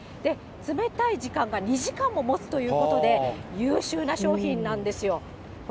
冷たい時間が２時間ももつということで、優秀な商品なんですよ。